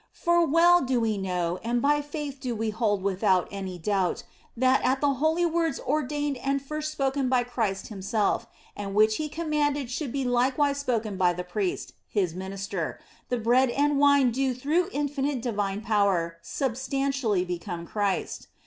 For well do we know, and by faith do we hold without any doubt, that at the holy words ordained and first spoken by Christ Himself, and which He commanded should be likewise spoken by the priest, His minister, the bread and wine do through infinite divine power sub stantially become Christ.